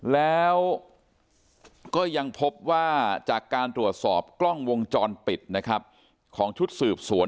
แล้วก็ยังพบว่าจากการตรวจสอบกล้องวงจรปิดนะครับของชุดสืบสวน